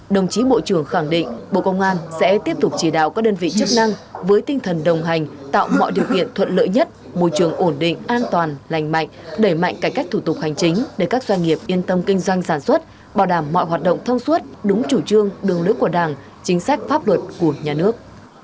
đồng chí bộ trưởng khẳng định bộ công an sẽ tiếp tục chỉ đạo các đơn vị chức năng với tinh thần đồng hành tạo mọi điều kiện thuận lợi nhất môi trường ổn định an toàn lành mạnh đẩy mạnh cải cách thủ tục hành chính để các doanh nghiệp yên tâm kinh doanh sản xuất bảo đảm mọi hoạt động thông suốt đúng chủ trương đường lưới của đảng chính sách pháp luật của nhà nước